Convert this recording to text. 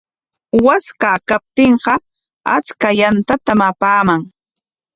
Waskaa kaptinqa achka yantatam apaaman.